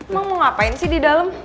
mau ngapain sih di dalam